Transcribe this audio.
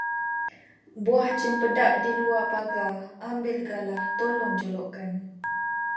Buah cempedak di luar pagar, ambil galah tolong jolokkan.